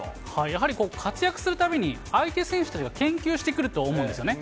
やはり活躍するたびに、相手選手が研究してくると思うんですよね。